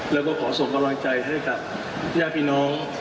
แล้วก็ขอส่งกำลังใจให้กับญาติพี่น้อง